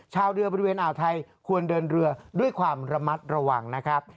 ชาวเรือบริเวณอ่าวไทยควรเดินเรือด้วยความระมัดระวังนะครับ